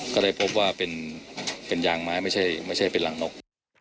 ก็ได้พบว่าเป็นยางไม้ไม่ใช่เป็นหลังนก